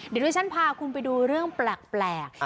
เดี๋ยวดิฉันพาคุณไปดูเรื่องแปลก